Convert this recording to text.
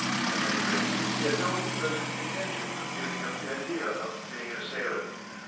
At any rate, he had no present intention of giving up the idea of being a sailor.